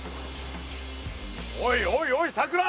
おいおいおいさくら！